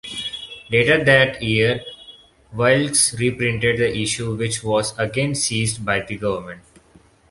Later that year, Wilkes reprinted the issue, which was again seized by the government.